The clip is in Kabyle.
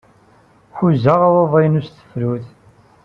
Ḥuzaɣ aḍad-inu s tefrut.